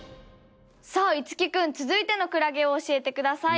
さあ樹君続いてのクラゲを教えてください。